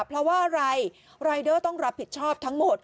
เพราะว่าอะไรรายเดอร์ต้องรับผิดชอบทั้งหมด